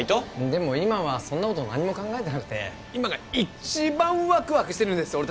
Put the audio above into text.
でも今はそんなこと何も考えてなくて今が一番ワクワクしてるんです俺